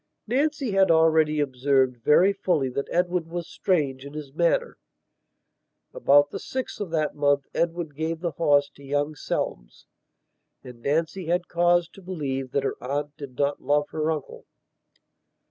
Nancy had already observed very fully that Edward was strange in his manner. About the 6th of that month Edward gave the horse to young Selmes, and Nancy had cause to believe that her aunt did not love her uncle.